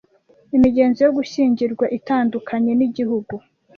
Imigenzo yo gushyingirwa itandukanye nigihugu.